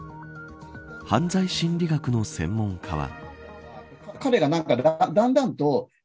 犯罪心理学の専門家は。